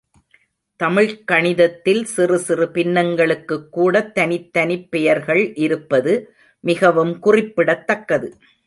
தமிழ்க் கணிதத்தில் சிறு சிறு பின்னங்களுக்குக்கூடத் தனித்தனிப் பெயர்கள் இருப்பது மிகவும் குறிப்பிடத்தக்கது.